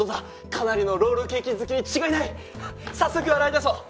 かなりのロールケーキ好きに違いない早速洗い出そう